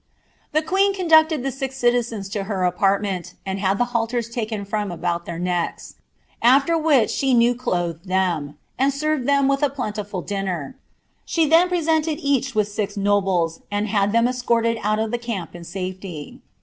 '^ The queen conducted the six citizens to her apartmenis, and tnllht hallcra taken from about their necks ; after which she new cloih«d lh■i^ and served them with a plentiful dinner; she then presented aach *itfc six nobles, and had ihem escorted out of the camp in nfeiy."